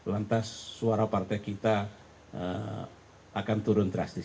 lantas suara partai kita akan turun drastis